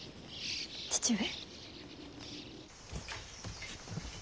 父上。